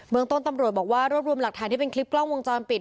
เมืองต้นตำรวจบอกว่ารวบรวมหลักฐานที่เป็นคลิปกล้องวงจรปิด